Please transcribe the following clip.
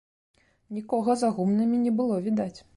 Нікога за гумнамі не было відаць.